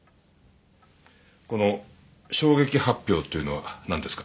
この「衝撃発表」というのはなんですか？